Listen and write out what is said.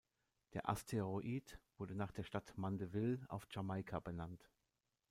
Der Asteroid wurde nach der Stadt Mandeville auf Jamaika benannt.